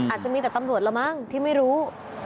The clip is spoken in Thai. อาจจะมีแต่ตำรวจละมั้งที่ไม่รู้